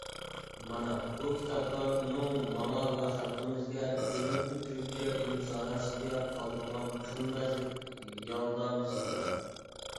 مانا بۇ كىتابلار ئۇنىڭ ماڭا ۋە خەلقىمىزگە، جۈملىدىن تۈركىيە ئىلىم ساھەسىگە قالدۇرغان قىممەتلىك يالدامىسى ئىدى.